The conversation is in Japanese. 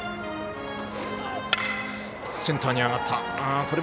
センターに上がった。